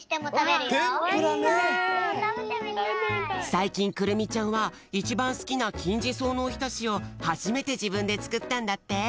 さいきんくるみちゃんはいちばんすきなきんじそうのおひたしをはじめてじぶんでつくったんだって。